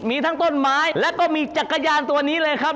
มีทั้งต้นไม้แล้วก็มีจักรยานตัวนี้เลยครับ